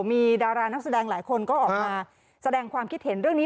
มีดารานักแสดงหลายคนก็ออกมาแสดงความคิดเห็นเรื่องนี้